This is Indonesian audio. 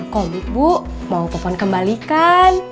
komik bu mau popon kembalikan